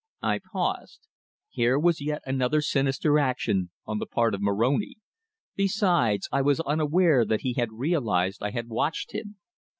I paused. Here was yet another sinister action on the part of Moroni! Besides, I was unaware that he had realized I had watched him!